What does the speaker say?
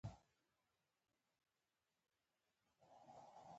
عثمانیانو په اتلس سوه څلوېښت لسیزه کې اصلاح هڅه وکړه.